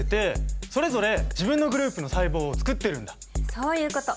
そういうこと！